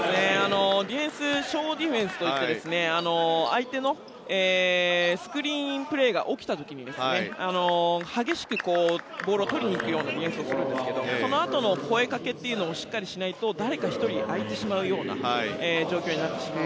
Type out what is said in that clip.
ディフェンスですが相手のスクリーンプレーが起きた時に激しくボールを取りに行くようなディフェンスをするんですがそのあとの声掛けというのをしっかりしないと誰か１人、空いてしまうような状況になってしまう。